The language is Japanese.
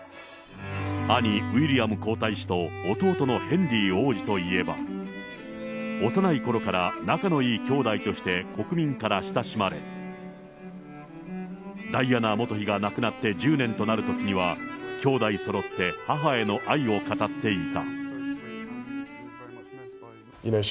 兄、ウィリアム皇太子と、弟のヘンリー王子といえば、幼いころから仲のいい兄弟として国民から親しまれ、ダイアナ元妃が亡くなって１０年となるときには、兄弟そろって母への愛を語っていた。